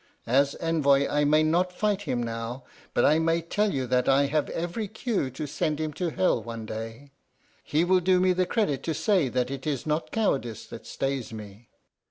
As envoy I may not fight him now, but I may tell you that I have every cue to send him to hell one day. He will do me the credit to say that it is not cowardice that stays me."